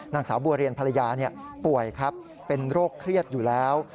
นางสาวบัวเรียนภรรยาป่วยครับเป็นโรคเครียดอยู่แล้ว